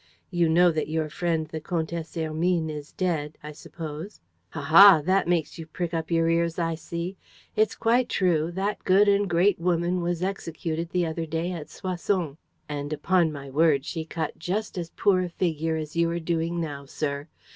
You know that your friend the Comtesse Hermine is dead, I suppose? Ha, ha, that makes you prick up your ears, I see! It's quite true: that good and great woman was executed the other day at Soissons. And, upon my word, she cut just as poor a figure as you are doing now, sir.